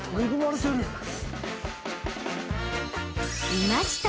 ［いました］